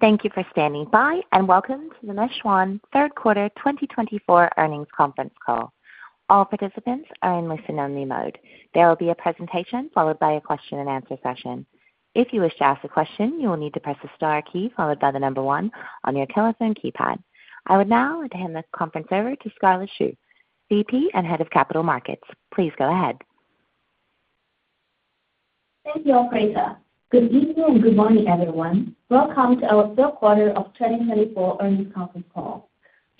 Thank you for standing by and welcome to the Meituan Q3 2024 earnings conference call. All participants are in listen-only mode. There will be a presentation followed by a question-and-answer session. If you wish to ask a question, you will need to press the star key followed by the number one on your telephone keypad. I would now like to hand the conference over to Scarlett Xu, VP and Head of Capital Markets. Please go ahead. Thank you, Operator. Good evening and good morning, everyone. Welcome to our Q3 of 2024 earnings conference call.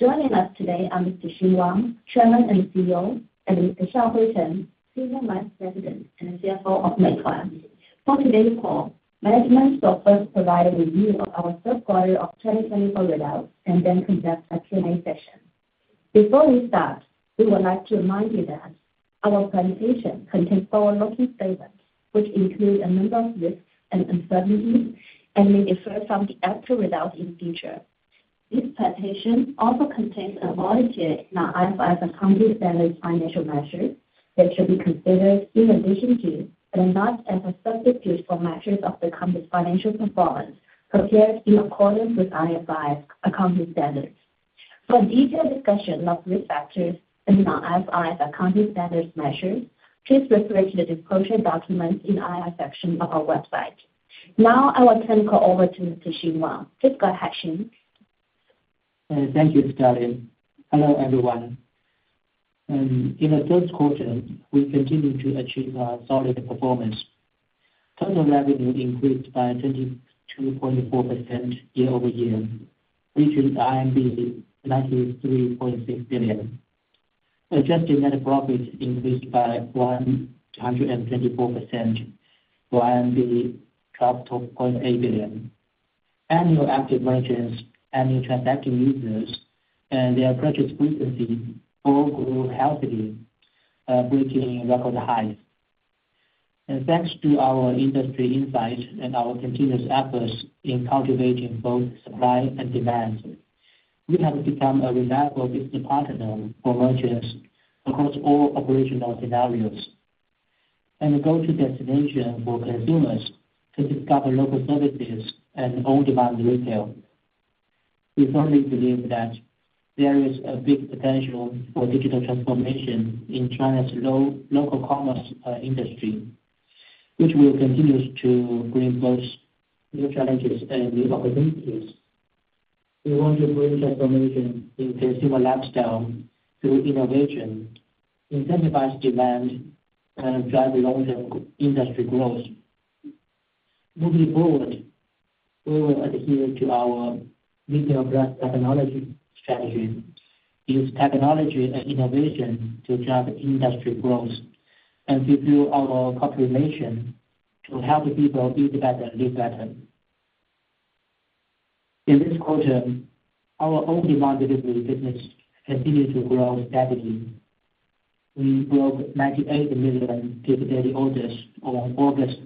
Joining us today are Mr. Wang Xing, Chairman and CEO, and Mr. Scarlett Chen, Senior Vice President and CFO of Meituan. For today's call, management shall first provide a review of our Q3 of 2024 results and then conduct a Q&A session. Before we start, we would like to remind you that our presentation contains forward-looking statements which include a number of risks and uncertainties and may differ from the actual results in the future. This presentation also contains an overview of our IFRS Accounting Standards financial measures that should be considered in addition to, but are not as a substitute for measures of the company's financial performance prepared in accordance with IFRS Accounting Standards. For a detailed discussion of risk factors in our IFRS Accounting Standards measures, please refer to the disclosure documents in the IR section of our website. Now, I will turn the call over to Mr. Wang Xing. Please go ahead, Xing. Thank you, Scarlett. Hello, everyone. In Q3, we continued to achieve solid performance. Total revenue increased by 22.4% year-over-year, reaching 93.6 billion. Adjusted Net Profit increased by 124%, 12.8 billion. Annual Active Merchants, Annual Transacting Users, and their purchase frequency all grew healthily, breaking record highs. Thanks to our industry insights and our continuous efforts in cultivating both supply and demand, we have become a reliable business partner for merchants across all operational scenarios and a go-to destination for consumers to discover local services and on-demand retail. We firmly believe that there is a big potential for digital transformation in China's local commerce industry, which will continue to bring both new challenges and new opportunities. We want to bring transformation in consumer lifestyle through innovation, incentivize demand, and drive long-term industry growth. Moving forward, we will adhere to our Retail + Technology strategy, use technology and innovation to drive industry growth, and fulfill our core mission to help people eat better and live better. In this quarter, our on-demand delivery business continued to grow steadily. We broke 98 million daily orders on August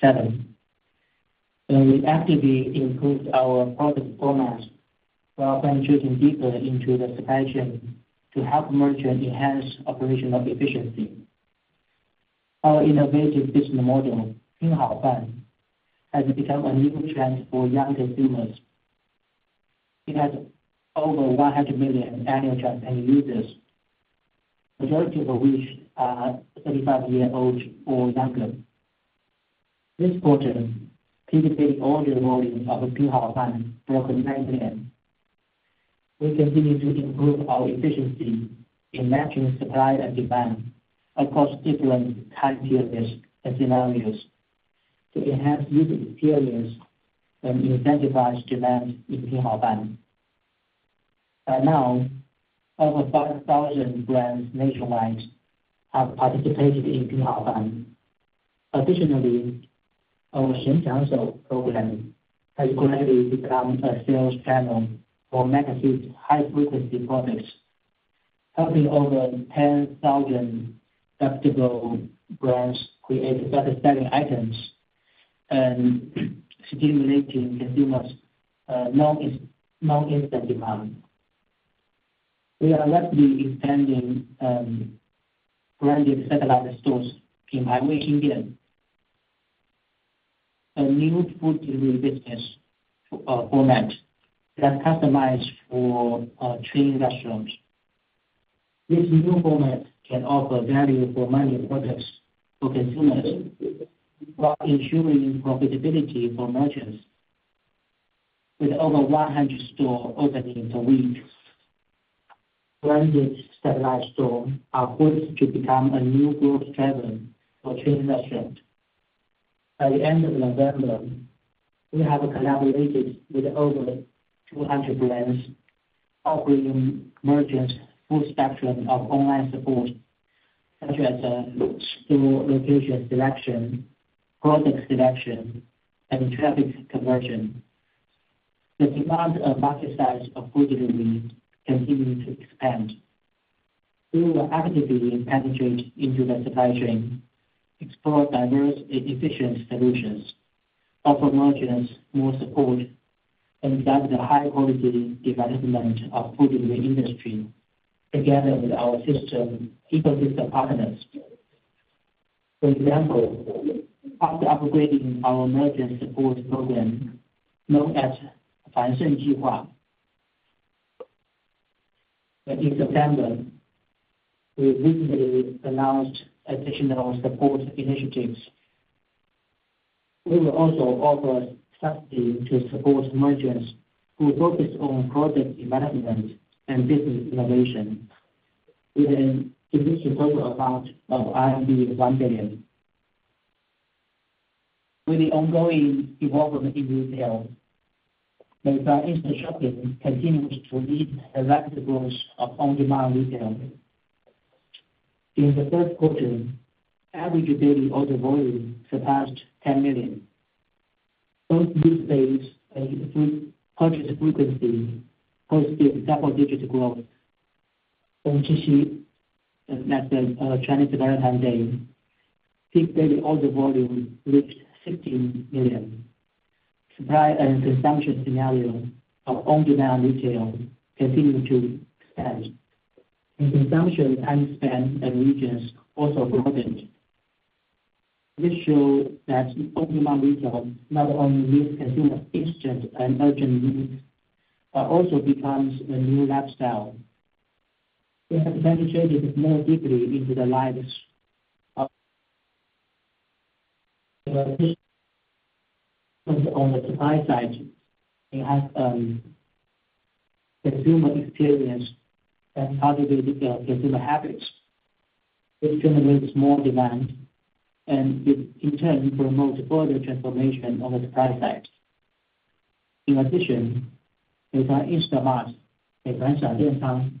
7. We actively improved our product formats while penetrating deeper into the supply chain to help merchants enhance operational efficiency. Our innovative business model, Pin Hao Fan, has become a new trend for young consumers. It has over 100 million annual transacting users, the majority of which are 35 years old or younger. This quarter, daily order volume of Pin Hao Fan broke 9 million. We continue to improve our efficiency in matching supply and demand across different time periods and scenarios to enhance user experience and incentivize demand in Pin Hao Fan. By now, over 5,000 brands nationwide have participated in Pin Hao Fan. Additionally, our Shen Qiang Shou program has gradually become a sales channel for Meituan high-frequency products, helping over 10,000 adaptable brands create better-selling items and stimulating consumers' non-instant demand. We are actively expanding branded satellite stores in lower-tier cities, a new food delivery business format that's customized for chain restaurants. This new format can offer value-for-money products for consumers while ensuring profitability for merchants, with over 100 stores opening per week. Branded satellite stores are poised to become a new growth driver for chain restaurants. By the end of November, we have collaborated with over 200 brands, offering merchants a full spectrum of online support, such as store location selection, product selection, and traffic conversion. The demand and market size of food delivery continue to expand. We will actively penetrate into the supply chain, explore diverse and efficient solutions, offer merchants more support, and drive the high-quality development of the food delivery industry together with our system ecosystem partners. For example, after upgrading our merchant support program, known as Fan Sheng Ji Hua, in September, we recently announced additional support initiatives. We will also offer subsidies to support merchants who focus on product development and business innovation, with an initial total amount of 1 billion. With the ongoing evolvement in retail, Meituan Instashopping continues to lead the rapid growth of on-demand retail. In Q3, average daily order volume surpassed 10 million. Both user base and food purchase frequency posted double-digit growth. On a sequential, Chinese Valentine's Day, peak daily order volume reached 16 million. Supply and consumption scenarios of on-demand retail continue to expand, and consumption time span and regions also broadened. This shows that on-demand retail not only meets consumers' instant and urgent needs but also becomes a new lifestyle. We have penetrated more deeply into the lives of merchants on the supply side and have consumer experience and cultivated consumer habits. This generates more demand and, in turn, promotes further transformation on the supply side. In addition, Meituan InstaMart, Meituan Shan Dian Cang,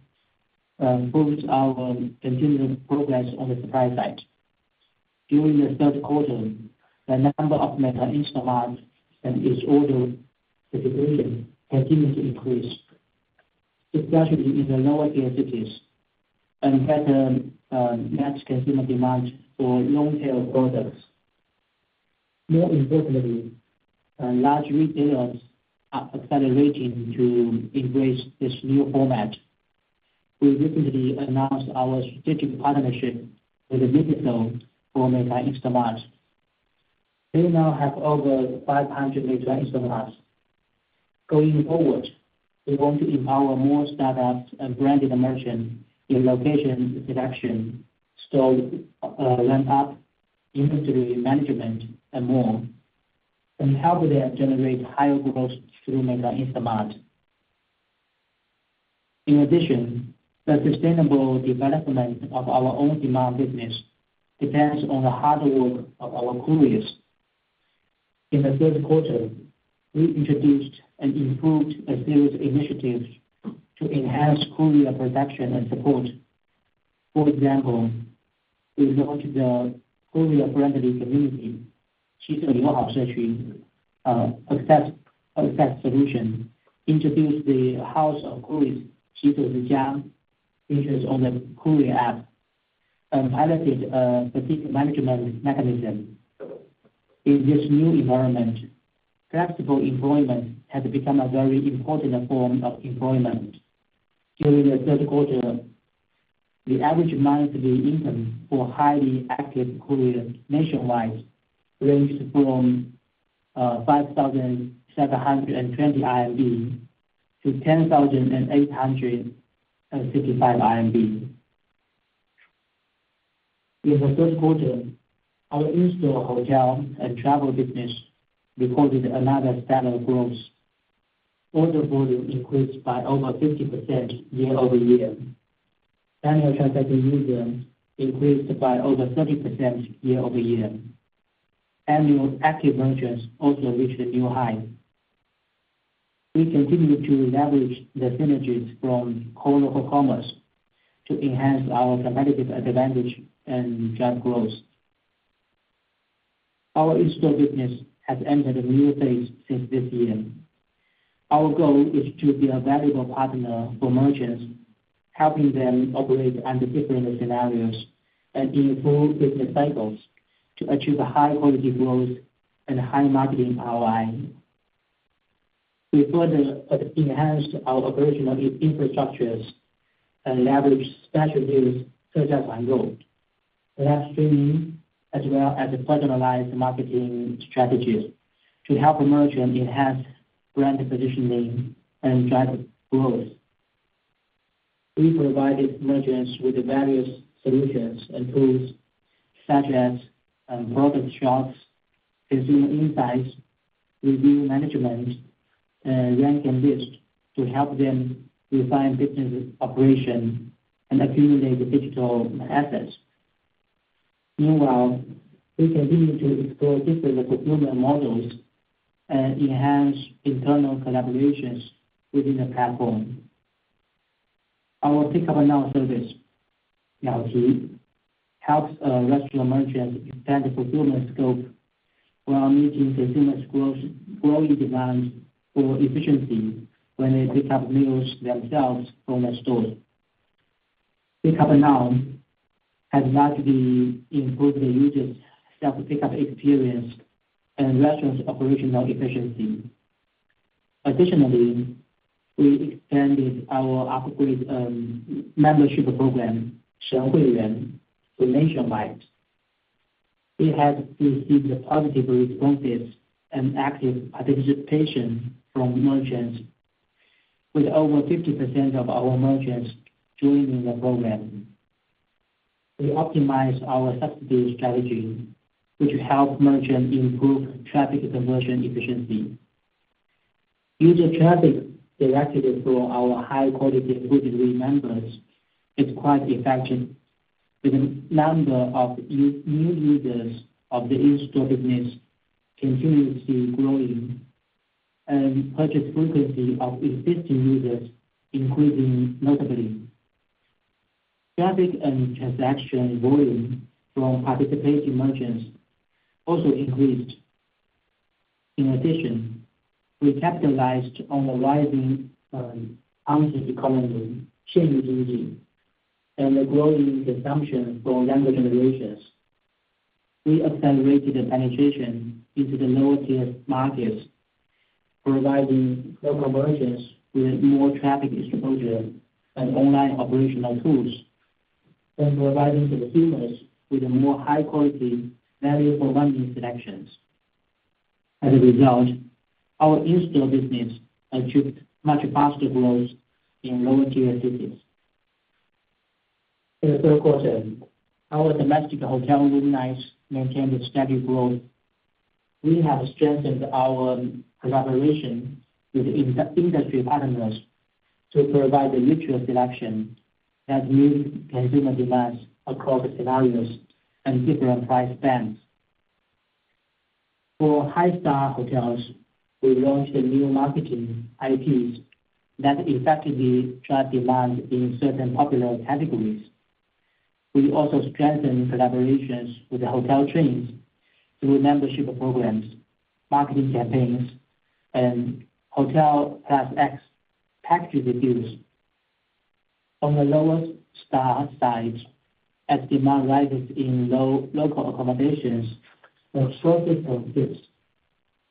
follows our continued progress on the supply side. During Q3, the number of Meituan InstaMart and its order distribution continued to increase, especially in the lower-tier cities, and better matched consumer demand for long-tail products. More importantly, large retailers are accelerating to embrace this new format. We recently announced our strategic partnership with Miniso for Meituan InstaMart. They now have over 500 Meituan InstaMarts. Going forward, we want to empower more startups and branded merchants in location selection, store ramp-up, inventory management, and more, and help them generate higher growth through Meituan InstaMart. In addition, the sustainable development of our on-demand business depends on the hard work of our couriers. In Q3, we introduced and improved a series of initiatives to enhance courier production and support. For example, we launched the Courier Friendly Community (Qishou Youhao Shequ) Access solution, introduced the House of Couriers (Qishou Zhi Jia) features on the Courier app, and piloted a fatigue management mechanism. In this new environment, flexible employment has become a very important form of employment. During Q3, the average monthly income for highly active couriers nationwide ranged from 5,720 RMB to 10,865 RMB. In Q3, our in-store hotel and travel business recorded another standout growth. Order volume increased by over 50% year-over-year. Annual transacting users increased by over 30% year-over-year. Annual active merchants also reached a new high. We continue to leverage the synergies from core local commerce to enhance our competitive advantage and drive growth. Our in-store business has entered a new phase since this year. Our goal is to be a valuable partner for merchants, helping them operate under different scenarios and in full business cycles to achieve high-quality growth and high marketing ROI. We further enhanced our operational infrastructures and leveraged specialties such as on-shelf, live streaming, as well as personalized marketing strategies to help merchants enhance brand positioning and drive growth. We provided merchants with various solutions and tools such as product shops, consumer insights, review management, and ranking lists to help them refine business operations and accumulate digital assets. Meanwhile, we continue to explore different procurement models and enhance internal collaborations within the platform. Our Pick-up and Go service, Ziti, helps restaurant merchants expand procurement scope while meeting consumers' growing demand for efficiency when they pick up meals themselves from the store. Pick-up and Go has largely improved the users' self-pickup experience and restaurant's operational efficiency. Additionally, we expanded our upgrade membership program, Shen Hui Yuan, to nationwide. We have received positive responses and active participation from merchants, with over 50% of our merchants joining the program. We optimized our subsidy strategy, which helps merchants improve traffic conversion efficiency. User traffic directed from our high-quality food delivery members is quite effective, with the number of new users of the in-store business continuously growing and purchase frequency of existing users increasing notably. Traffic and transaction volume from participating merchants also increased. In addition, we capitalized on the rising county economy, Xian Yu Jing Ji, and the growing consumption from younger generations. We accelerated the penetration into the lower-tier markets, providing local merchants with more traffic exposure and online operational tools, and providing consumers with more high-quality value-for-money selections. As a result, our in-store business achieved much faster growth in lower-tier cities. In Q3, our domestic hotel room nights maintained steady growth. We have strengthened our collaboration with industry partners to provide mutual selection that meets consumer demands across scenarios and different price bands. For high-star hotels, we launched new marketing IPs that effectively drive demand in certain popular categories. We also strengthened collaborations with hotel chains through membership programs, marketing campaigns, and Hotel Plus X package reviews. On the lower-star side, as demand rises in local accommodations and shorter-term fits,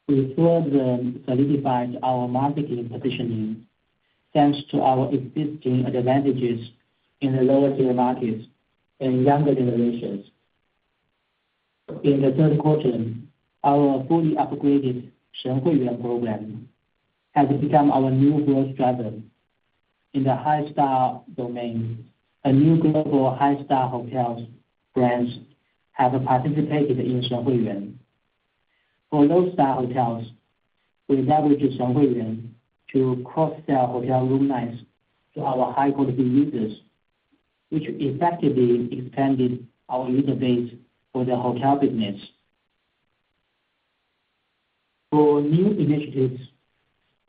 we further solidified our marketing positioning thanks to our existing advantages in the lower-tier markets and younger generations. In Q3, our fully upgraded Shen Hui Yuan program has become our new growth driver. In the high-star domain, a new global high-star hotel brands have participated in Shen Hui Yuan. For low-star hotels, we leveraged Shen Hui Yuan to cross-sell hotel room nights to our high-quality users, which effectively expanded our user base for the hotel business. For new initiatives,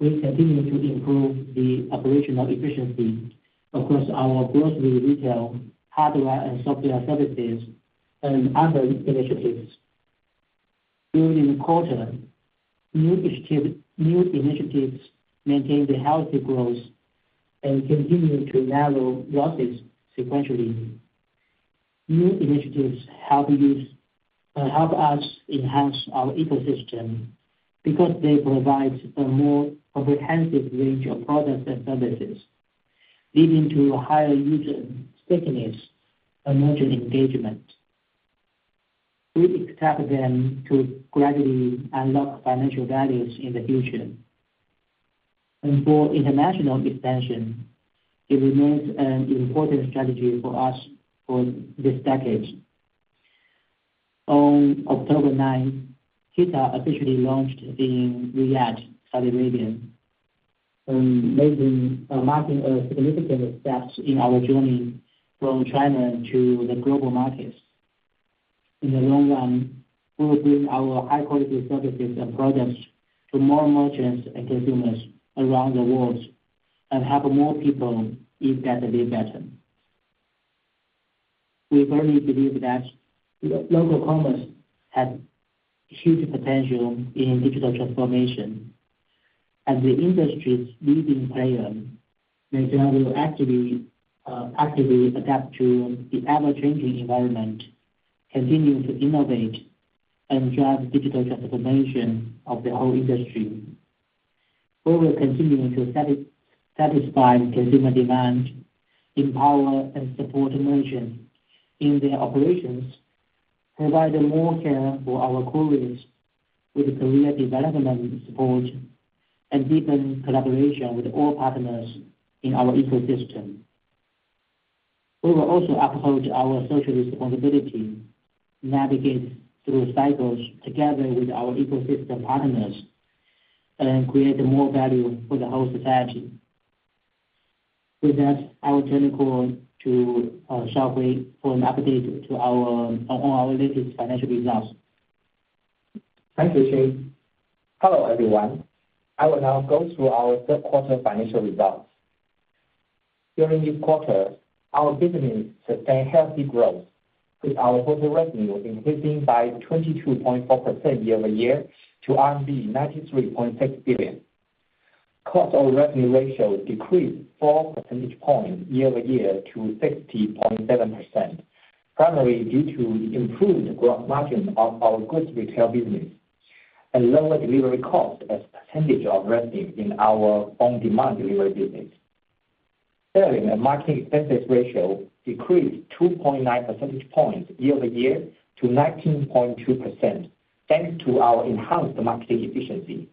we continue to improve the operational efficiency across our grocery retail, hardware, and software services, and other initiatives. During Q3, new initiatives maintained healthy growth and continued to narrow losses sequentially. New initiatives help us enhance our ecosystem because they provide a more comprehensive range of products and services, leading to higher user stickiness and merchant engagement. We expect them to gradually unlock financial values in the future. For international expansion, it remains an important strategy for us for this decade. On October 9, Meituan officially launched in Riyadh, Saudi Arabia, marking a significant step in our journey from China to the global markets. In the long run, we will bring our high-quality services and products to more merchants and consumers around the world and help more people eat better live better. We firmly believe that local commerce has huge potential in digital transformation, and the industry's leading player, Meituan, will actively adapt to the ever-changing environment, continue to innovate, and drive digital transformation of the whole industry. We will continue to satisfy consumer demand, empower and support merchants in their operations, provide more care for our couriers with career development support, and deepen collaboration with all partners in our ecosystem. We will also uphold our social responsibility, navigate through cycles together with our ecosystem partners, and create more value for the whole society. With that, I will turn the call to Shaohui for an update on our latest financial results. Thank you, Xing. Hello everyone. I will now go through our Q3 financial results. During Q3, our business sustained healthy growth, with our total revenue increasing by 22.4% year-over-year to RMB 93.6 billion. Cost of revenue ratio decreased 4 percentage points year-over-year to 60.7%, primarily due to the improved gross margin of our goods retail business and lower delivery cost as a percentage of revenue in our on-demand delivery business. Selling and marketing expenses ratio decreased 2.9 percentage points year-over-year to 19.2%, thanks to our enhanced marketing efficiency.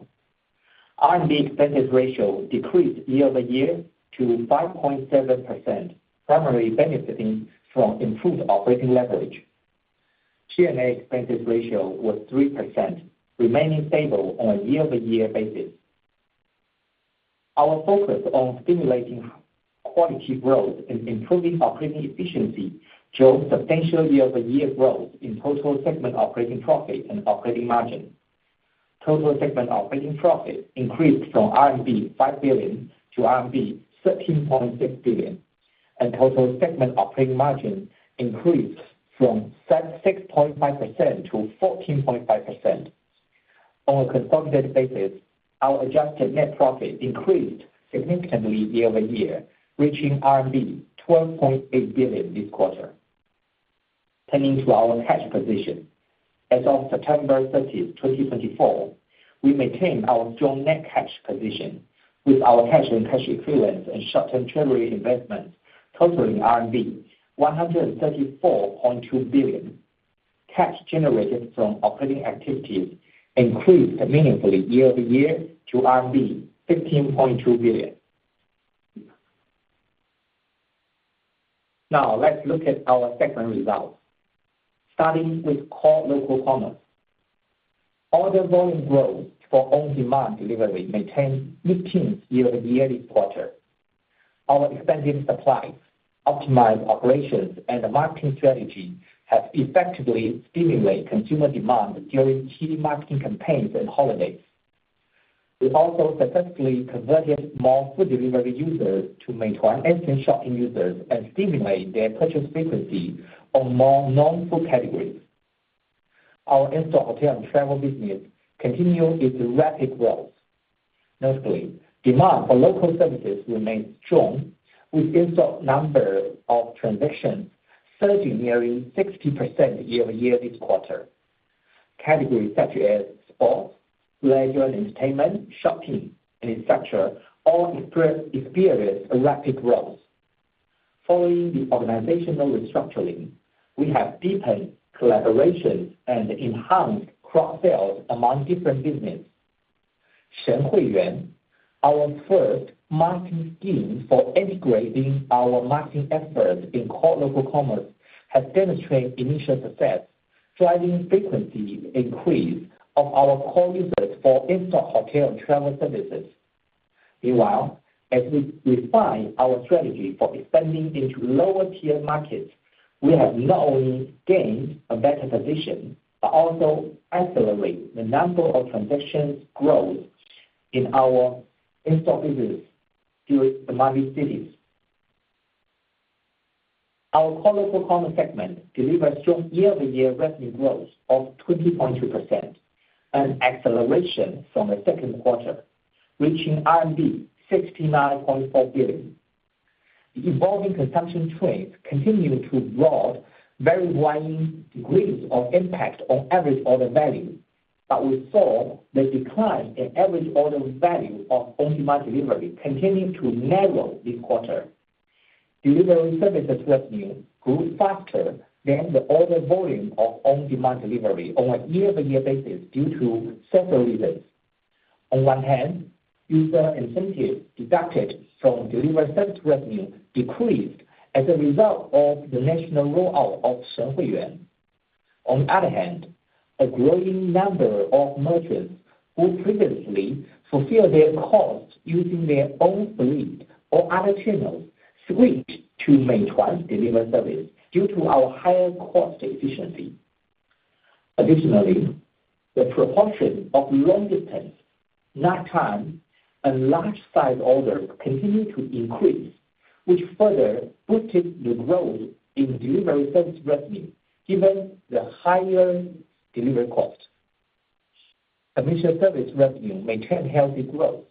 R&D expenses ratio decreased year-over-year to 5.7%, primarily benefiting from improved operating leverage. G&A expenses ratio was 3%, remaining stable on a year-over-year basis. Our focus on stimulating quality growth and improving operating efficiency showed substantial year-over-year growth in total segment operating profit and operating margin. Total segment operating profit increased from RMB 5 billion to RMB 13.6 billion, and total segment operating margin increased from 6.5% to 14.5%. On a consolidated basis, our Adjusted Net Profit increased significantly year-over-year, reaching RMB 12.8 billion this Q3. Turning to our cash position, as of September 30, 2024, we maintained our strong net cash position, with our cash and cash equivalents and short-term treasury investments totaling RMB 134.2 billion. Cash generated from operating activities increased meaningfully year-over-year to RMB 15.2 billion. Now, let's look at our segment results. Starting with core local commerce, order volume growth for on-demand delivery maintained 15% year-over-year this quarter. Our expanding supplies, optimized operations, and marketing strategy have effectively stimulated consumer demand during key marketing campaigns and holidays. We also successfully converted more food delivery users to meet our instant shopping users and stimulate their purchase frequency on more non-food categories. Our in-store hotel and travel business continued its rapid growth. Notably, demand for local services remained strong, with in-store number of transactions surging nearly 60% year-over-year this quarter. Categories such as sports, leisure and entertainment, shopping, and infrastructure all experienced rapid growth. Following the organizational restructuring, we have deepened collaborations and enhanced cross-sales among different businesses. Shen Hui Yuan, our first marketing scheme for integrating our marketing efforts in core local commerce, has demonstrated initial success, driving frequent increase of our core users for in-store hotel and travel services. Meanwhile, as we refine our strategy for expanding into lower-tier markets, we have not only gained a better position but also accelerated the number of transactions growth in our in-store business through the lower-tier cities. Our core local commerce segment delivered strong year-over-year revenue growth of 20.2%, an acceleration from the second quarter, reaching RMB 69.4 billion. The evolving consumption trends continue to broaden to very wide degrees of impact on average order value, but we saw the decline in average order value of on-demand delivery continue to narrow this quarter. Delivery services revenue grew faster than the order volume of on-demand delivery on a year-over-year basis due to several reasons. On one hand, user incentives deducted from delivery service revenue decreased as a result of the national rollout of Shen Hui Yuan. On the other hand, a growing number of merchants who previously fulfilled their calls using their own fleet or other channels switched to Meituan's delivery service due to our higher cost efficiency. Additionally, the proportion of long distance, nighttime, and large-sized orders continued to increase, which further boosted the growth in delivery service revenue given the higher delivery cost. Commission service revenue maintained healthy growth,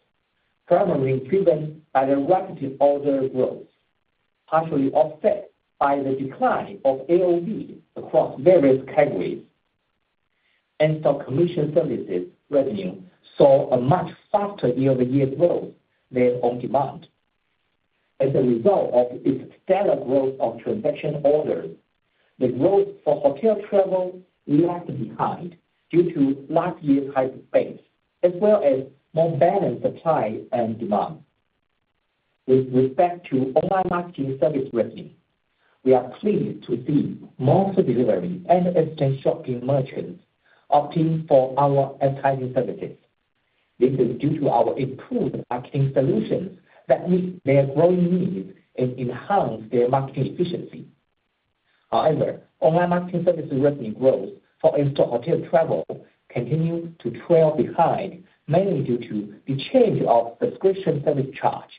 primarily driven by the rapid order growth, partially offset by the decline of AOV across various categories. In-store commission services revenue saw a much faster year-over-year growth than on-demand. As a result of its stellar growth of transaction orders, the growth for hotel travel lagged behind due to last year's high base, as well as more balanced supply and demand. With respect to online marketing service revenue, we are pleased to see more food delivery and instant shopping merchants opting for our advertising services. This is due to our improved marketing solutions that meet their growing needs and enhance their marketing efficiency. However, online marketing service revenue growth for in-store hotel travel continued to trail behind, mainly due to the change of subscription service charge.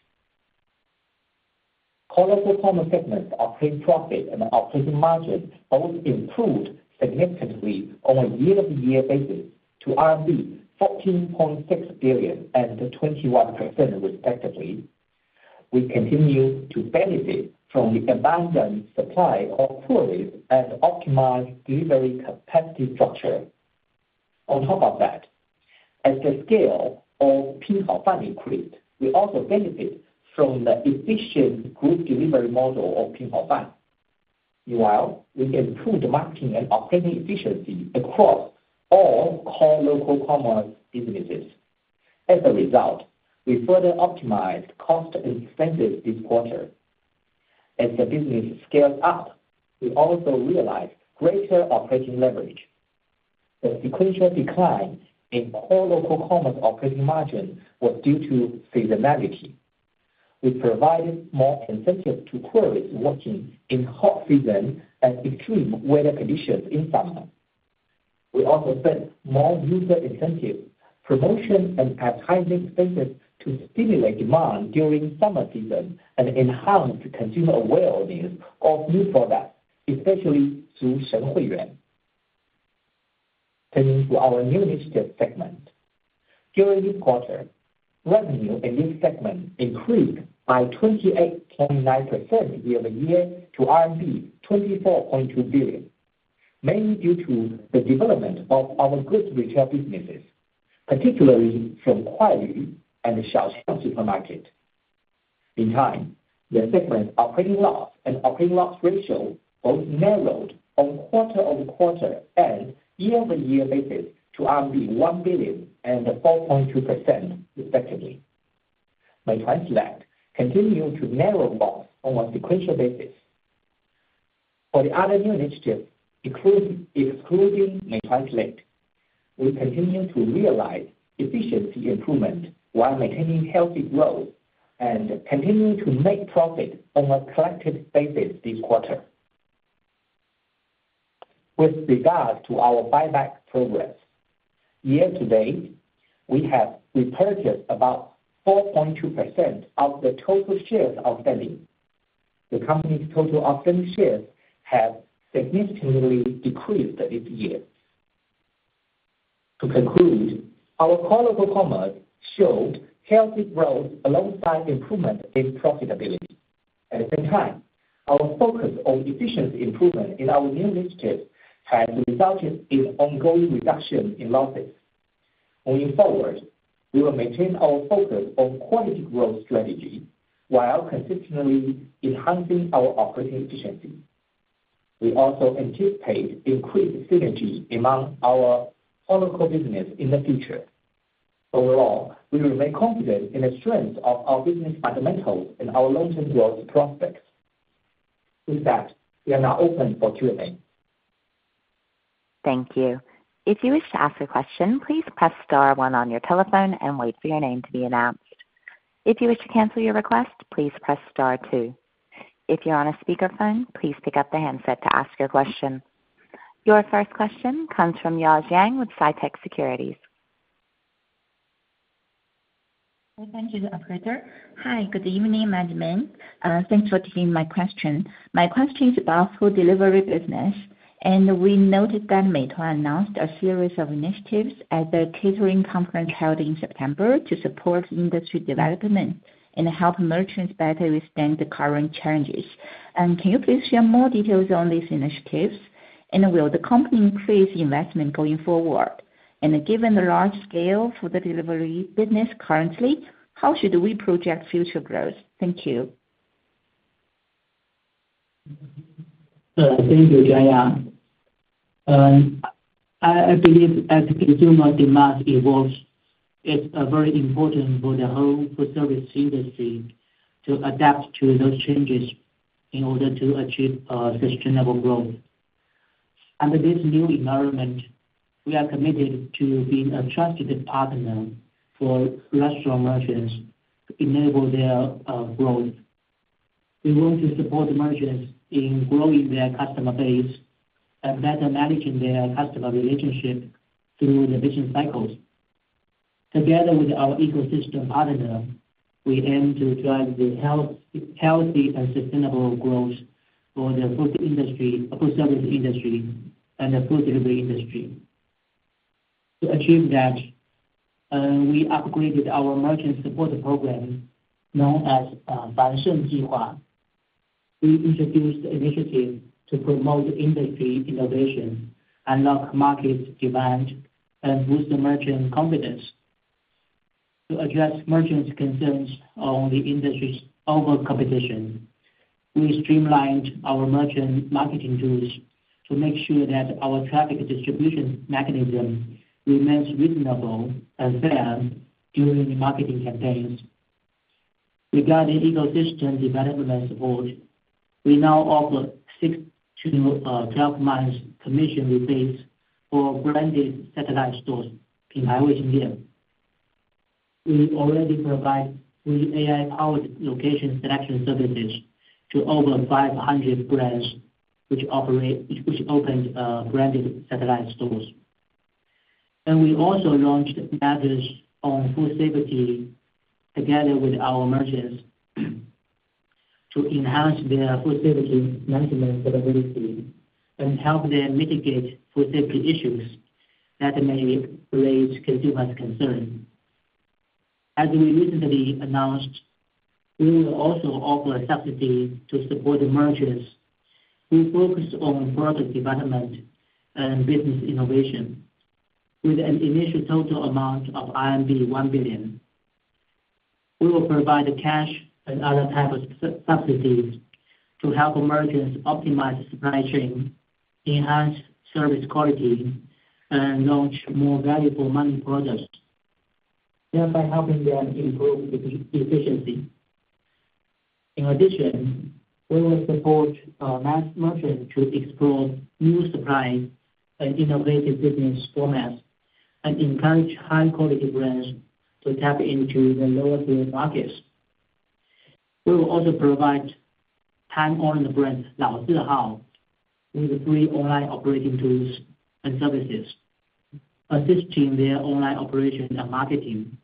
Core local commerce segment's operating profit and operating margin both improved significantly on a year-over-year basis to RMB 14.6 billion and 21% respectively. We continue to benefit from the abundant supply of couriers and optimized delivery capacity structure. On top of that, as the scale of Pin Hao Fan increased, we also benefit from the efficient group delivery model of Pin Hao Fan. Meanwhile, we improved marketing and operating efficiency across all core local commerce businesses. As a result, we further optimized cost and expenses this quarter. As the business scaled up, we also realized greater operating leverage. The sequential decline in core local commerce operating margin was due to seasonality. We provided more incentives to couriers working in hot season and extreme weather conditions in summer. We also sent more user incentives, promotion, and advertising spaces to stimulate demand during summer season and enhance consumer awareness of new products, especially through Shen Hui Yuan. Turning to our new initiative segment, during this quarter, revenue in this segment increased by 28.9% year-over-year to RMB 24.2 billion, mainly due to the development of our goods retail businesses, particularly from Kuailv and Xiaoxiang Supermarket. Meanwhile, the segment's operating loss and operating loss ratio both narrowed on a sequential and year-over-year basis to 1 billion and 4.2% respectively. Meituan InstaMart continued to narrow loss on a sequential basis. For the other new initiatives, excluding Meituan InstaMart, we continue to realize efficiency improvement while maintaining healthy growth and continue to make profit on a collective basis this quarter. With regard to our buyback progress, year-to-date, we have repurchased about 4.2% of the total shares outstanding. The company's total outstanding shares have significantly decreased this year. To conclude, our core local commerce showed healthy growth alongside improvement in profitability. At the same time, our focus on efficiency improvement in our new initiatives has resulted in ongoing reduction in losses. Moving forward, we will maintain our focus on quality growth strategy while consistently enhancing our operating efficiency. We also anticipate increased synergy among our core local business in the future. Overall, we remain confident in the strength of our business fundamentals and our long-term growth prospects. With that, we are now open for Q&A. Thank you. If you wish to ask a question, please press Star 1 on your telephone and wait for your name to be announced. If you wish to cancel your request, please press Star 2. If you're on a speakerphone, please pick up the handset to ask your question. Your first question comes from Ya Jiang with CITIC Securities. Hello, thank you, the operator. Hi, good evening, management. Thanks for taking my question. My question is about food delivery business, and we noted that Meituan announced a series of initiatives at the catering conference held in September to support industry development and help merchants better withstand the current challenges. Can you please share more details on these initiatives, and will the company increase investment going forward? Given the large-scale food delivery business currently, how should we project future growth? Thank you. Thank you, Ya Jiang. I believe as consumer demand evolves, it's very important for the whole food service industry to adapt to those changes in order to achieve sustainable growth. Under this new environment, we are committed to being a trusted partner for restaurant merchants to enable their growth. We want to support merchants in growing their customer base and better managing their customer relationships through the business cycles. Together with our ecosystem partner, we aim to drive the healthy and sustainable growth for the food service industry and the food delivery industry. To achieve that, we upgraded our merchant support program known as Fan Sheng Ji Hua. We introduced initiatives to promote industry innovation, unlock market demand, and boost merchant confidence. To address merchants' concerns on the industry's over-competition, we streamlined our merchant marketing tools to make sure that our traffic distribution mechanism remains reasonable and fair during marketing campaigns. Regarding ecosystem development support, we now offer 6-12 months commission rebates for branded satellite stores in Wan Dian Fan Li. We already provide free AI-powered location selection services to over 500 brands, which opened branded satellite stores. We also launched measures on food safety together with our merchants to enhance their food safety management capability and help them mitigate food safety issues that may raise consumers' concerns. As we recently announced, we will also offer subsidies to support merchants who focus on product development and business innovation, with an initial total amount of RMB 1 billion. We will provide cash and other types of subsidies to help merchants optimize supply chain, enhance service quality, and launch more valuable manufacturing products, thereby helping them improve efficiency. In addition, we will support merchants to explore new supply and innovative business formats and encourage high-quality brands to tap into the lower-tier markets. We will also provide time-honored brand Lao Zi Hao with free online operating tools and services, assisting their online operations and marketing.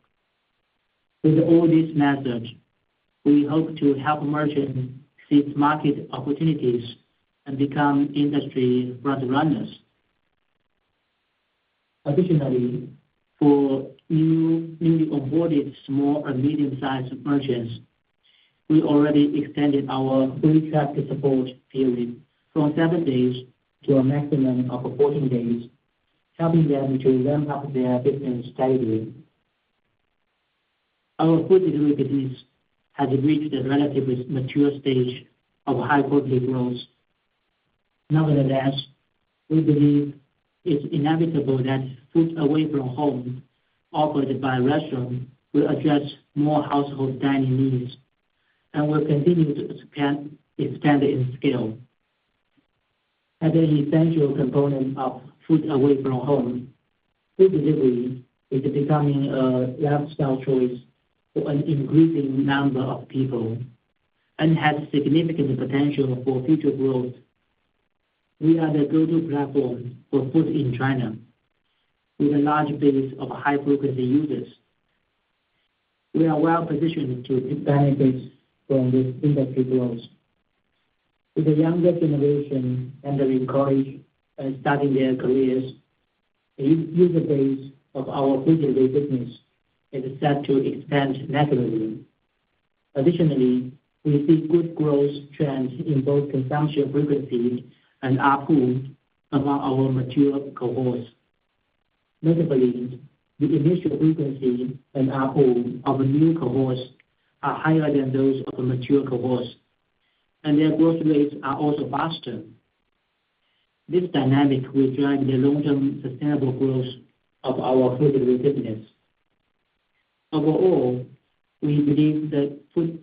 With all these measures, we hope to help merchants seize market opportunities and become industry front-runners. Additionally, for newly onboarded small and medium-sized merchants, we already extended our free traffic support period from seven days to a maximum of 14 days, helping them to ramp up their business steadily. Our food delivery business has reached the relatively mature stage of high-quality growth. Nevertheless, we believe it's inevitable that food away from home offered by restaurants will address more household dining needs and will continue to expand in scale. As an essential component of food away from home, food delivery is becoming a lifestyle choice for an increasing number of people and has significant potential for future growth. We are the go-to platform for food in China, with a large base of high-frequency users. We are well-positioned to benefit from this industry growth. With the younger generation entering college and starting their careers, the user base of our food delivery business is set to expand naturally. Additionally, we see good growth trends in both consumption frequency and AOV among our mature cohorts. Notably, the initial frequency and AOV of new cohorts are higher than those of a mature cohort, and their growth rates are also faster. This dynamic will drive the long-term sustainable growth of our food delivery business. Overall, we believe the food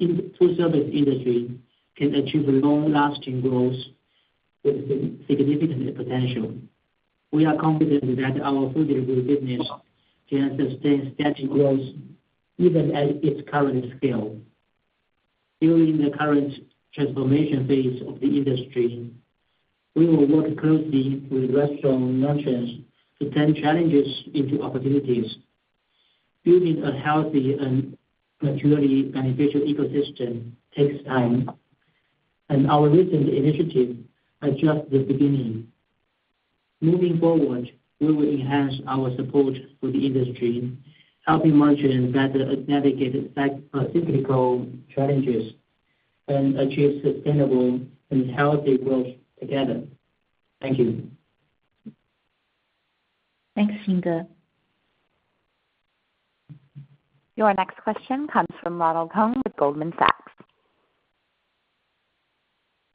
service industry can achieve long-lasting growth with significant potential. We are confident that our food delivery business can sustain steady growth even at its current scale. During the current transformation phase of the industry, we will work closely with restaurant merchants to turn challenges into opportunities. Building a healthy and mutually beneficial ecosystem takes time, and our recent initiative is just the beginning. Moving forward, we will enhance our support for the industry, helping merchants better navigate cyclical challenges and achieve sustainable and healthy growth together. Thank you. Thanks, Xing Ge. Your next question comes from Ronald Keung with Goldman Sachs.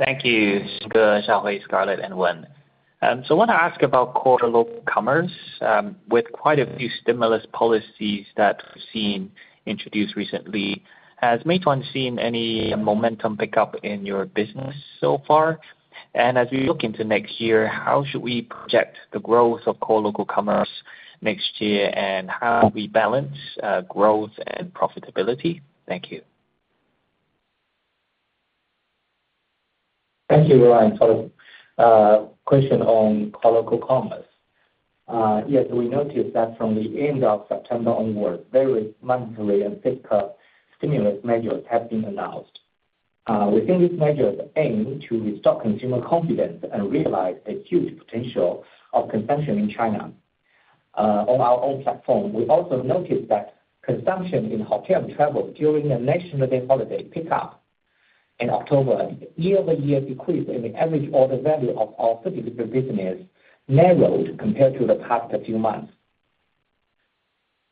Thank you, Xing Ge, Shaohui, Scarlett, and Wang. So I want to ask about core local commerce with quite a few stimulus policies that we've seen introduced recently. Has Meituan seen any momentum pickup in your business so far? And as we look into next year, how should we project the growth of core local commerce next year, and how do we balance growth and profitability? Thank you. Thank you, Ronald. Question on core local commerce. Yes, we noticed that from the end of September onward, various monetary and fiscal stimulus measures have been announced. We think these measures aim to restock consumer confidence and realize the huge potential of consumption in China. On our own platform, we also noticed that consumption in hotel travel during the National Day holiday pick up in October year-over-year decreased, and the average order value of our food delivery business narrowed compared to the past few months.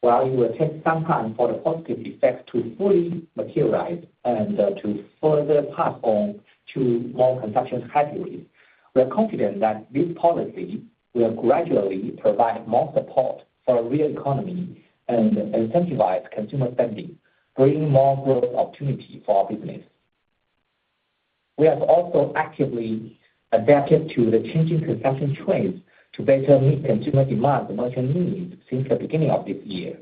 While it will take some time for the positive effects to fully materialize and to further pass on to more consumption categories, we are confident that these policies will gradually provide more support for a real economy and incentivize consumer spending, bringing more growth opportunities for our business. We have also actively adapted to the changing consumption trends to better meet consumer demand and merchant needs since the beginning of this year.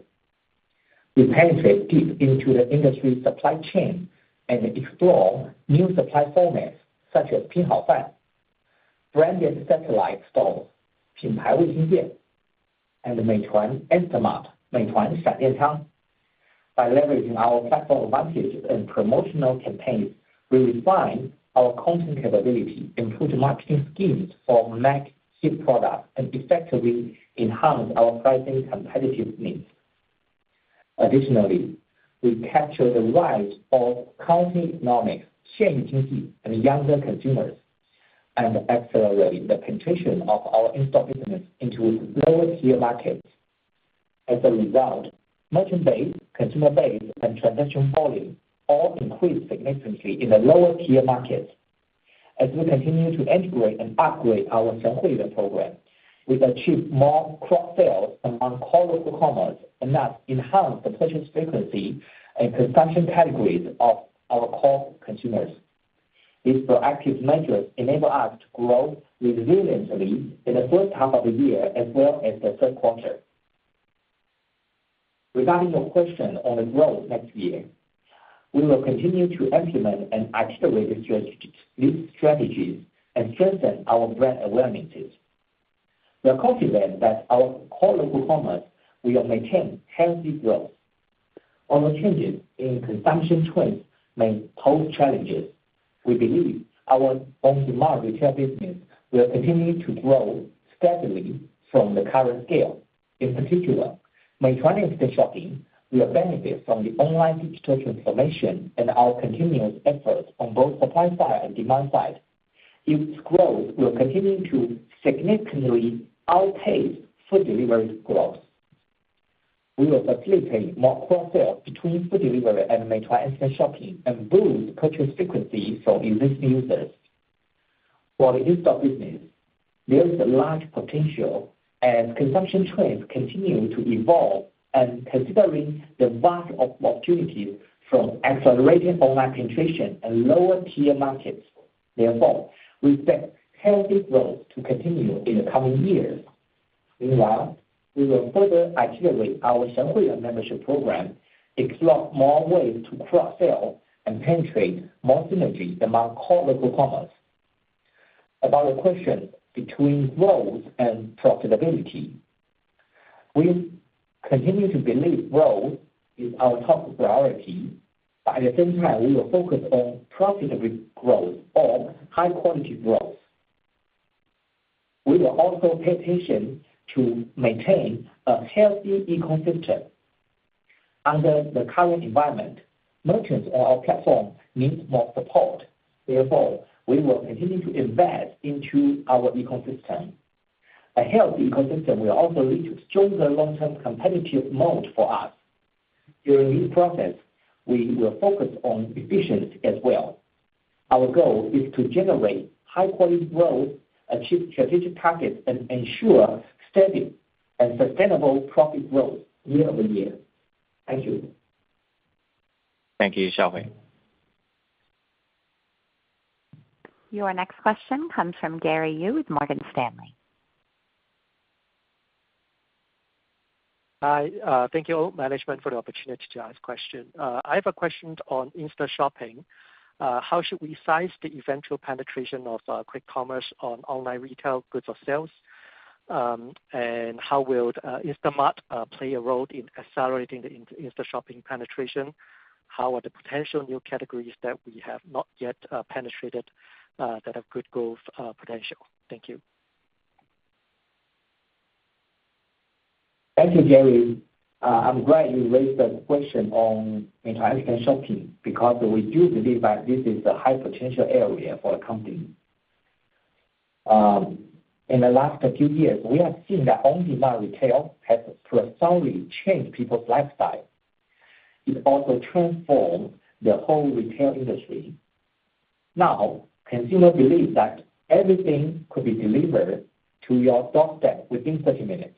We penetrate deep into the industry supply chain and explore new supply formats such as Pin Hao Fan, Branded Satellite Stores, 品牌卫星店, and Meituan Xiaoxiang, Meituan Shan Dian Cang. By leveraging our platform advantages and promotional campaigns, we refine our content capability and food marketing schemes for Mega-hit products and effectively enhance our pricing competitive needs. Additionally, we capture the rise of county economy, Xian Yu Jing Ji, and younger consumers, and accelerate the penetration of our in-store business into lower-tier markets. As a result, merchant base, consumer base, and transaction volume all increased significantly in the lower-tier markets. As we continue to integrate and upgrade our Shen Hui Yuan, we achieve more cross-sales among core local commerce and thus enhance the purchase frequency and consumption categories of our core consumers. These proactive measures enable us to grow resiliently in the first half of the year as well as the third quarter. Regarding your question on the growth next year, we will continue to implement and accelerate these strategies and strengthen our brand awareness. We are confident that our core local commerce will maintain healthy growth. Although changes in consumption trends may pose challenges, we believe our on-demand retail business will continue to grow steadily from the current scale. In particular, Meituan Instashopping will benefit from the online digital transformation and our continuous efforts on both supply side and demand side. Its growth will continue to significantly outpace food delivery growth. We will facilitate more cross-sales between food delivery and Meituan Instashopping and boost purchase frequency for existing users. For the in-store business, there is a large potential as consumption trends continue to evolve and considering the vast opportunities from accelerated online penetration and lower-tier markets. Therefore, we expect healthy growth to continue in the coming years. Meanwhile, we will further accelerate our Shen Hui Yuan, explore more ways to cross-sell and penetrate more synergies among core local commerce. About your question between growth and profitability, we continue to believe growth is our top priority, but at the same time, we will focus on profitable growth or high-quality growth. We will also pay attention to maintain a healthy ecosystem. Under the current environment, merchants on our platform need more support. Therefore, we will continue to invest into our ecosystem. A healthy ecosystem will also lead to stronger long-term competitive moat for us. During this process, we will focus on efficiency as well. Our goal is to generate high-quality growth, achieve strategic targets, and ensure steady and sustainable profit growth year-over-year. Thank you. Thank you, Shaohui. Your next question comes from Gary Yu with Morgan Stanley. Hi, thank you, management, for the opportunity to ask a question. I have a question on Instashopping. How should we size the eventual penetration of quick commerce on online retail goods or sales, and how will InstaMart play a role in accelerating the Instashopping penetration? How are the potential new categories that we have not yet penetrated that have good growth potential? Thank you. Thank you, Gary. I'm glad you raised the question on Meituan Instashopping because we do believe that this is a high-potential area for the company. In the last few years, we have seen that on-demand retail has thoroughly changed people's lifestyle. It also transformed the whole retail industry. Now, consumers believe that everything could be delivered to your doorstep within 30 minutes.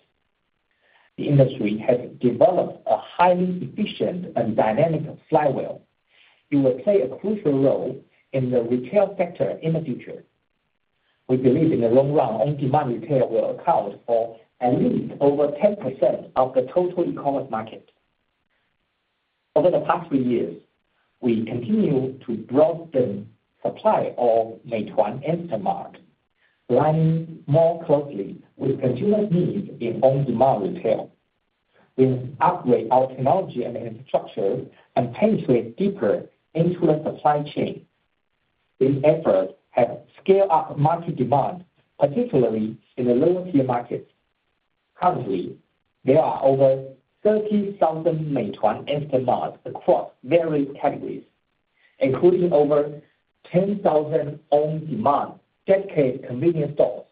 The industry has developed a highly efficient and dynamic flywheel. It will play a crucial role in the retail sector in the future. We believe in the long run, on-demand retail will account for at least over 10% of the total e-commerce market. Over the past few years, we continue to broaden the supply of Meituan Instamart, aligning more closely with consumers' needs in on-demand retail. We have upgraded our technology and infrastructure and penetrated deeper into the supply chain. These efforts have scaled up market demand, particularly in the lower-tier markets. Currently, there are over 30,000 Meituan Instamarts across various categories, including over 10,000 on-demand dedicated convenience stores.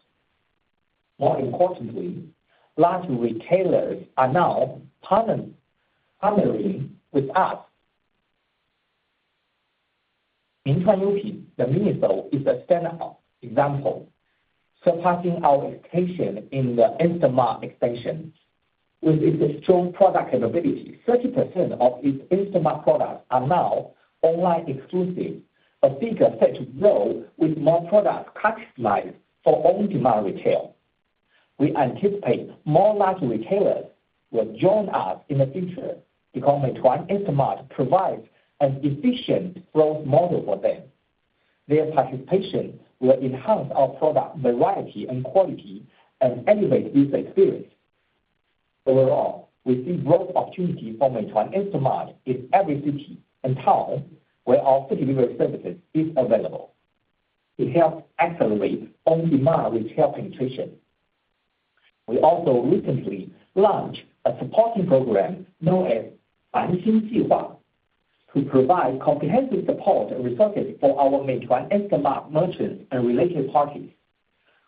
More importantly, large retailers are now partnering with us. In Xia Chen, the mini store is a standout example, surpassing our expectation in the InstaMart extension. With its strong product capability, 30% of its InstaMart products are now online exclusives, a figure set to grow with more products customized for on-demand retail. We anticipate more large retailers will join us in the future because Meituan InstaMart provides an efficient growth model for them. Their participation will enhance our product variety and quality and elevate user experience. Overall, we see growth opportunities for Meituan InstaMart in every city and town where our food delivery services are available. It helps accelerate on-demand retail penetration. We also recently launched a supporting program known as Fanxing Plan to provide comprehensive support and resources for our Meituan InstaMart merchants and related parties.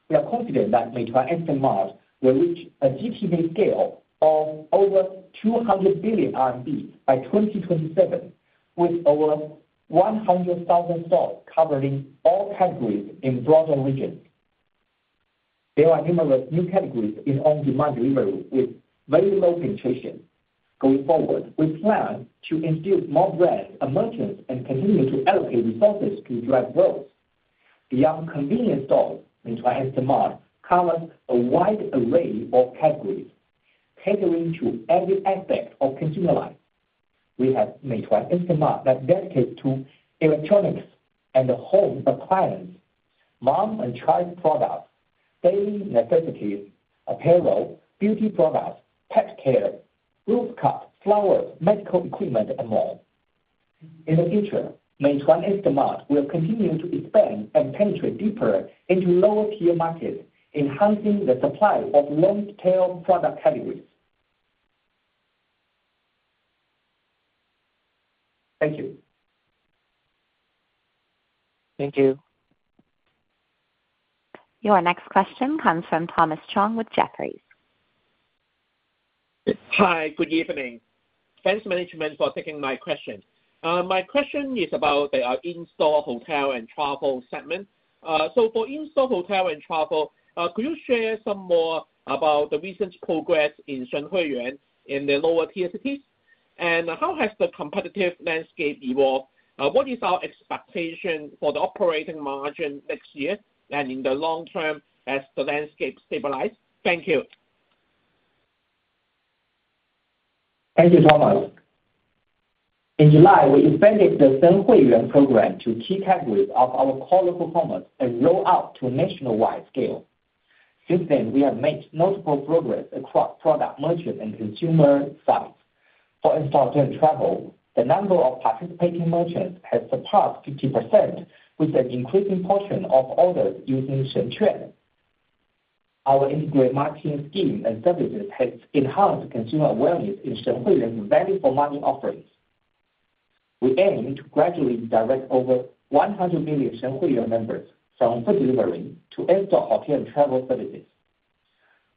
We are confident that Meituan InstaMart merchants will reach a GTV scale of over 200 billion RMB by 2027, with over 100,000 stores covering all categories in broader regions. There are numerous new categories in on-demand delivery with very low penetration. Going forward, we plan to introduce more brands and merchants and continue to allocate resources to drive growth. Beyond convenience stores, Meituan Instashopping covers a wide array of categories, catering to every aspect of consumer life. We have Meituan Instashopping that dedicates to electronics and home appliances, mom-and-child products, daily necessities, apparel, beauty products, pet care, rooftops, flowers, medical equipment, and more. In the future, Meituan Instashopping will continue to expand and penetrate deeper into lower-tier markets, enhancing the supply of long-tail product categories. Thank you. Thank you. Your next question comes from Thomas Chong with Jefferies. Hi, good evening. Thanks, management, for taking my question. My question is about the in-store hotel and travel segment. So for in-store hotel and travel, could you share some more about the recent progress in Xia Chen in the lower-tier cities? And how has the competitive landscape evolved? What is our expectation for the operating margin next year and in the long term as the landscape stabilizes? Thank you. Thank you, Thomas. In July, we expanded the Shen Hui Yuan program to key categories of our core local commerce and rolled out to nationwide scale. Since then, we have made notable progress across product merchants and consumer sites. For in-store hotel and travel, the number of participating merchants has surpassed 50%, with an increasing portion of orders using Shenquan. Our integrated marketing scheme and services have enhanced consumer awareness in Shen Hui Yuan's value-for-money offerings. We aim to gradually direct over 100 million Shen Hui Yuan members from food delivery to in-store hotel and travel services.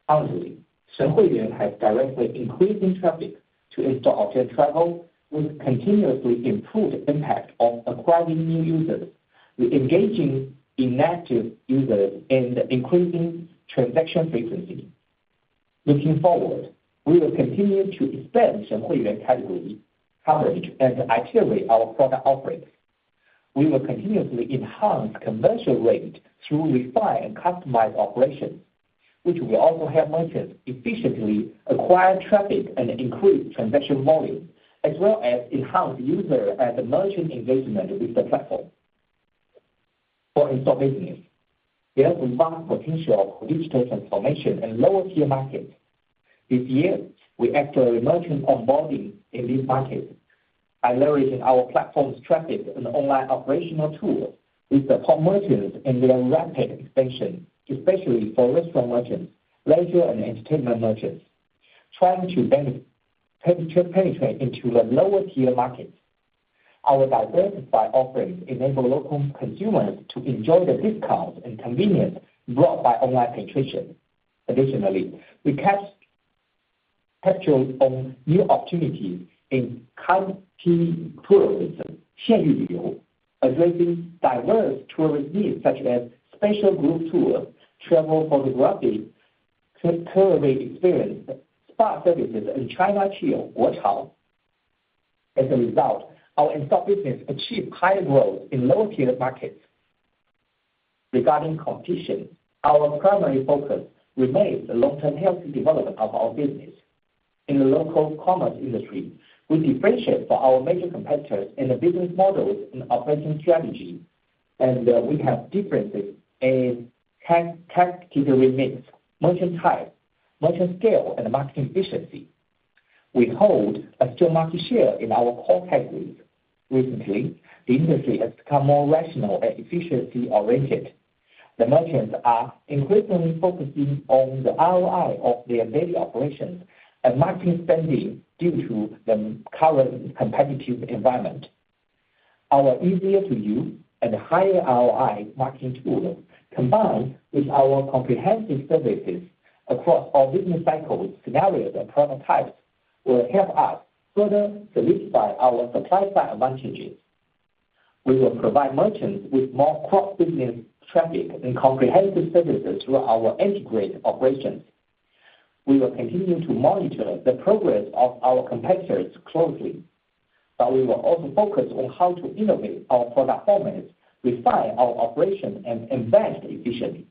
Currently, Shen Hui Yuan has directly increased traffic to in-store hotel and travel, with continuously improved impact on acquiring new users, with engaging inactive users and increasing transaction frequency. Looking forward, we will continue to expand Xia Chen category coverage and accelerate our product offerings. We will continuously enhance conversion rate through refined and customized operations, which will also help merchants efficiently acquire traffic and increase transaction volume, as well as enhance user and merchant engagement with the platform. For in-store business, there is vast potential for digital transformation and lower-tier markets. This year, we accelerate merchant onboarding in these markets by leveraging our platform's traffic and online operational tools, with the top merchants and their rapid expansion, especially for restaurant merchants, leisure, and entertainment merchants, trying to penetrate into the lower-tier markets. Our diversified offerings enable local consumers to enjoy the discounts and convenience brought by online penetration. Additionally, we capitalize on new opportunities in county tourism, Xia Chen, addressing diverse tourist needs such as special group tours, travel photography, cultural experience, spa services, and China Chic, Guochao. As a result, our in-store business achieves higher growth in lower-tier markets. Regarding competition, our primary focus remains the long-term healthy development of our business. In the local commerce industry, we differentiate from our major competitors in the business models and operating strategy, and we have differences in category mix, merchant type, merchant scale, and marketing efficiency. We hold a strong market share in our core categories. Recently, the industry has become more rational and efficiency-oriented. The merchants are increasingly focusing on the ROI of their daily operations and marketing spending due to the current competitive environment. Our easier-to-use and higher ROI marketing tools, combined with our comprehensive services across our business cycle scenarios and prototypes, will help us further solidify our supply-side advantages. We will provide merchants with more cross-business traffic and comprehensive services through our integrated operations. We will continue to monitor the progress of our competitors closely, but we will also focus on how to innovate our product formats, refine our operations, and invest efficiently.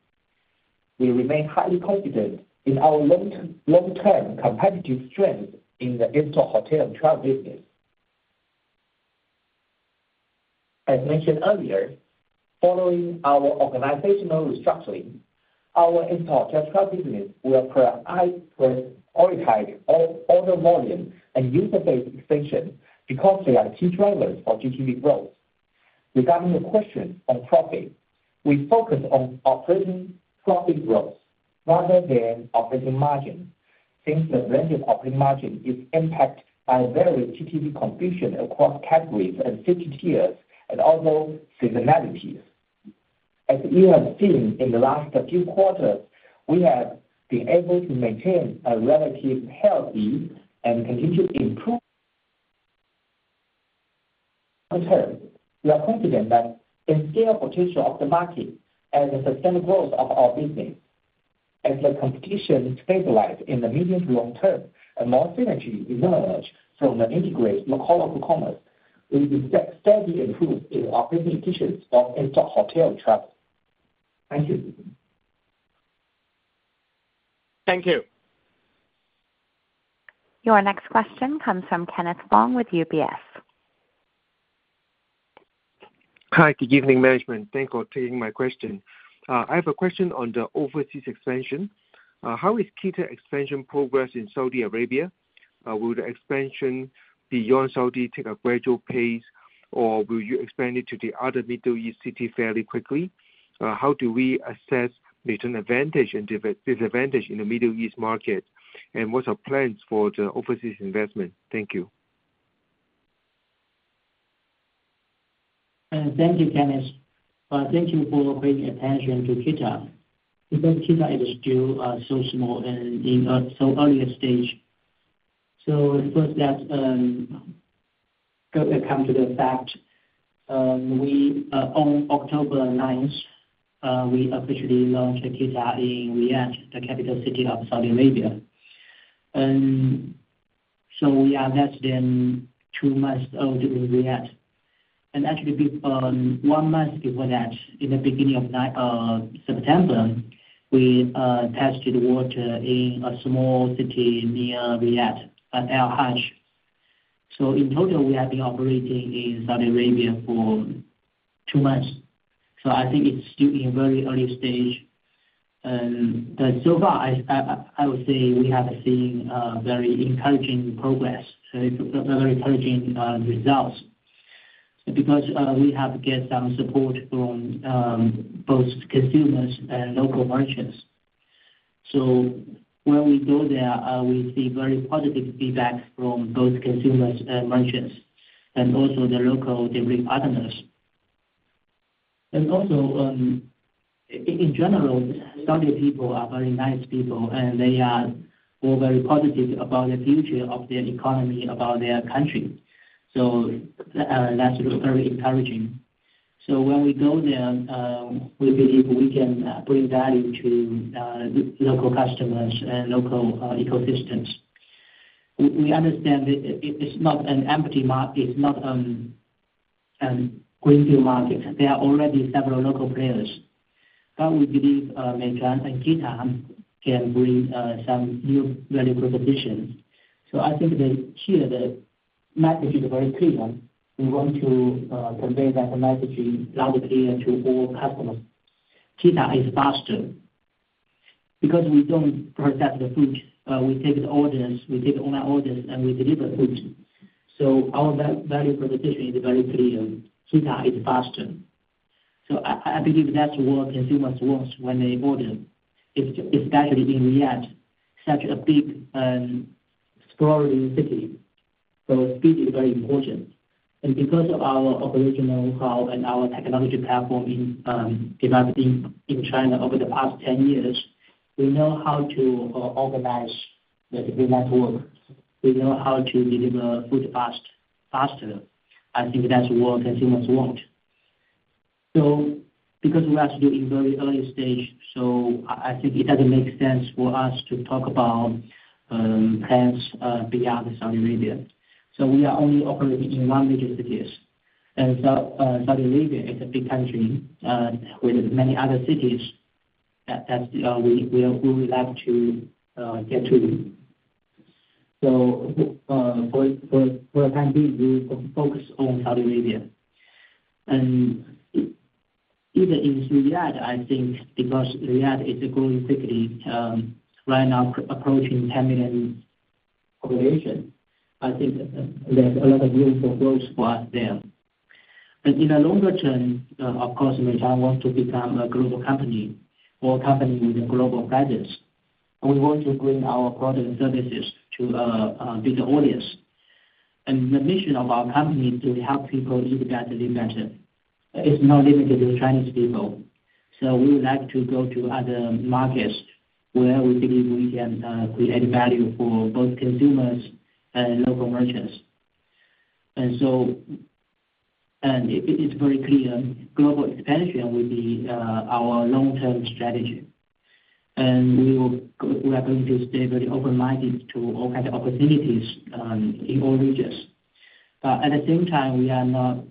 We remain highly confident in our long-term competitive strength in the in-store hotel and travel business. As mentioned earlier, following our organizational restructuring, our in-store hotel and travel business will prioritize order volume and user base extension because they are key drivers for GTV growth. Regarding your question on profit, we focus on operating profit growth rather than operating margin since the range of operating margin is impacted by various GTV contributions across categories and city tiers and also seasonalities. As you have seen in the last few quarters, we have been able to maintain a relatively healthy and continue to improve. Long-term, we are confident that the scale potential of the market and the sustained growth of our business. As the competition stabilizes in the medium to long term and more synergy emerges from the integrated local commerce, we expect steady improvement in operating efficiencies of in-store, hotel, and travel. Thank you. Thank you. Your next question comes from Kenneth Wong with UBS. Hi, good evening, management. Thanks for taking my question. I have a question on the overseas expansion. How is KeeTa expansion progressing in Saudi Arabia? Will the expansion beyond Saudi take a gradual pace, or will you expand it to the other Middle East cities fairly quickly? How do we assess return advantage and disadvantage in the Middle East market, and what are our plans for the overseas investment? Thank you. Thank you, Kenneth. Thank you for paying attention to KeeTa. Because KeeTa is still so small and in so early a stage. So first, let's come to the fact. On October 9, we officially launched KeeTa in Riyadh, the capital city of Saudi Arabia. So we are less than two months old in Riyadh. And actually, one month before that, in the beginning of September, we tested water in a small city near Riyadh, Al-Kharj. So in total, we have been operating in Saudi Arabia for two months. So I think it's still in a very early stage. But so far, I would say we have seen very encouraging progress, very encouraging results, because we have gained some support from both consumers and local merchants. So when we go there, we see very positive feedback from both consumers and merchants and also the local delivery partners. And also, in general, Saudi people are very nice people, and they are all very positive about the future of their economy, about their country. So that's very encouraging. So when we go there, we believe we can bring value to local customers and local ecosystems. We understand it's not an empty market. It's not a greenfield market. There are already several local players, but we believe Meituan and KeeTa can bring some new value propositions. So I think that here, the message is very clear. We want to convey that message loud and clear to all customers. KeeTa is faster because we don't process the food. We take the orders. We take the online orders, and we deliver food. So our value proposition is very clear. KeeTa is faster. So I believe that's what consumers want when they order, especially in Riyadh, such a big sprawling city. So speed is very important. And because of our operational power and our technology platform developed in China over the past 10 years, we know how to organize the delivery network. We know how to deliver food faster. I think that's what consumers want. So because we are still in a very early stage, I think it doesn't make sense for us to talk about plans beyond Saudi Arabia. So we are only operating in one major city. And Saudi Arabia is a big country with many other cities that we would like to get to. So for the time being, we will focus on Saudi Arabia. And even in Riyadh, I think because Riyadh is growing quickly, right now approaching 10 million population, I think there's a lot of room for growth for us there. And in the longer term, of course, Meituan wants to become a global company or a company with a global presence. We want to bring our products and services to a bigger audience. And the mission of our company is to help people live better, live better. It's not limited to Chinese people. So we would like to go to other markets where we believe we can create value for both consumers and local merchants. And it's very clear global expansion will be our long-term strategy. And we are going to stay very open-minded to all kinds of opportunities in all regions. But at the same time, we are not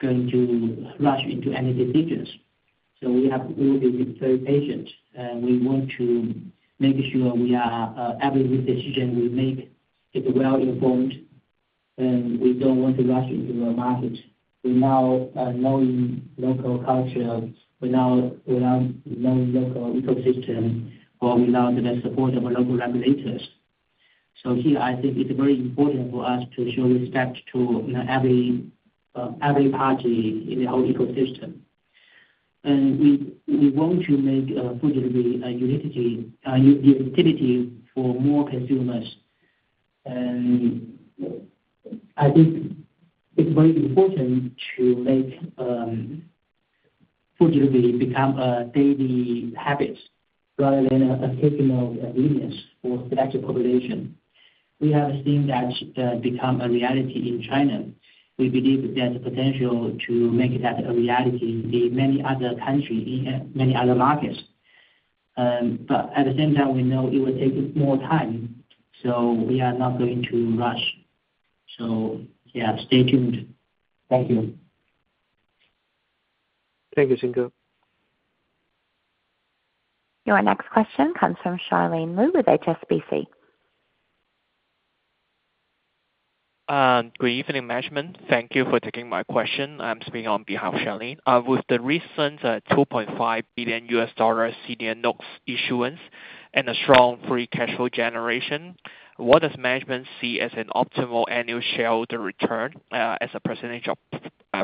going to rush into any decisions. So we will be very patient, and we want to make sure every decision we make is well-informed. And we don't want to rush into a market without knowing local culture, without knowing local ecosystem, or without the support of local regulators. So here, I think it's very important for us to show respect to every party in the whole ecosystem. We want to make food delivery a utility for more consumers. I think it's very important to make food delivery become a daily habit rather than an occasional arrangement for selected population. We have seen that become a reality in China. We believe there's a potential to make that a reality in many other countries, in many other markets. But at the same time, we know it will take more time. So we are not going to rush. So yeah, stay tuned. Thank you. Thank you, Xing. Your next question comes from Charlene Liu with HSBC. Good evening, management. Thank you for taking my question. I'm speaking on behalf of Charlene. With the recent $2.5 billion senior notes issuance and a strong free cash flow generation, what does management see as an optimal annual shareholder return as a percentage of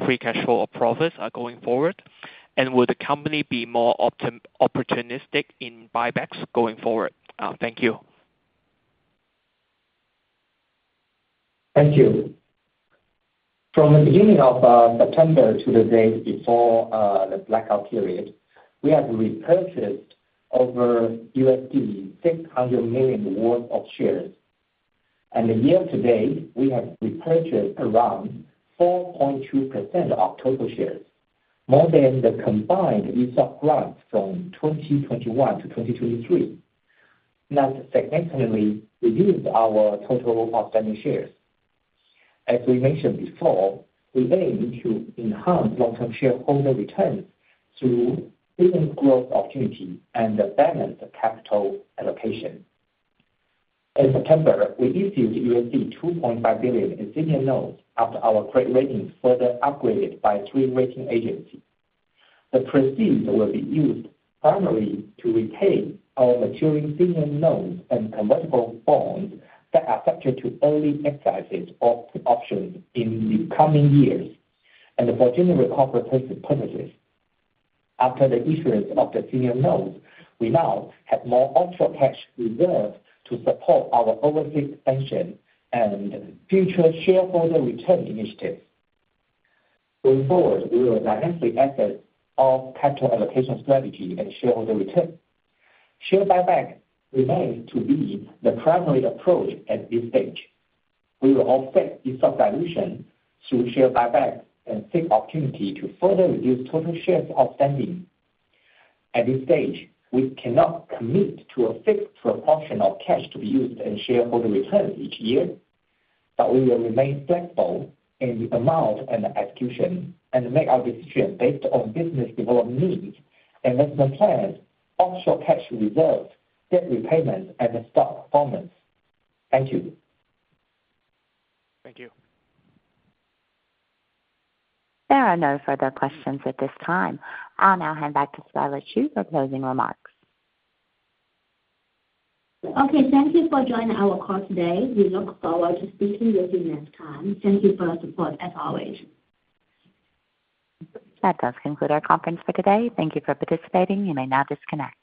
free cash flow or profits going forward? And will the company be more opportunistic in buybacks going forward? Thank you. Thank you. From the beginning of September to the day before the blackout period, we have repurchased over $600 million worth of shares. And year to date, we have repurchased around 4.2% of total shares, more than the combined ESOP grants from 2021 to 2023. That significantly reduced our total outstanding shares. As we mentioned before, we aim to enhance long-term shareholder returns through business growth opportunity and balanced capital allocation. In September, we issued $2.5 billion in senior notes after our credit ratings were further upgraded by three rating agencies. The proceeds will be used primarily to repay our maturing senior notes and convertible bonds that are affected by early exercises of options in the coming years and for general corporate purposes. After the issuance of the senior notes, we now have more offshore cash reserves to support our overseas expansion and future shareholder return initiatives. Going forward, we will dynamically assess our capital allocation strategy and shareholder return. Share buyback remains to be the primary approach at this stage. We will offset ESOP dilution through share buybacks and seek opportunity to further reduce total shares outstanding. At this stage, we cannot commit to a fixed proportion of cash to be used in shareholder returns each year, but we will remain flexible in the amount and execution and make our decision based on business development needs, investment plans, offshore cash reserves, debt repayments, and stock performance. Thank you. Thank you. There are no further questions at this time. I'll now hand back to Scarlett Chen for closing remarks. Okay. Thank you for joining our call today. We look forward to speaking with you next time. Thank you for your support as always. That does conclude our conference for today. Thank you for participating. You may now disconnect.